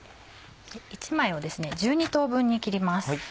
１枚を１２等分に切ります。